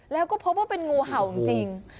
แล้วก็พบว่าเป็นงูเห่าจริง